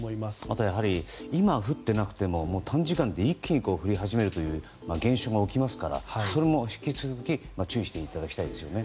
あとは今降っていなくても短時間で一気に降り始めるという現象が起きますからそれも引き続き注意していただきたいですね。